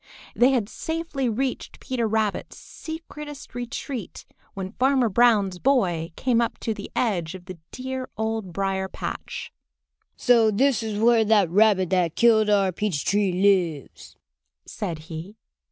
They had safely reached Peter Rabbit's secretest retreat when Farmer Brown's boy came up to the edge of the dear Old Briar patch. "So this is where that rabbit that killed our peach tree lives!" said he.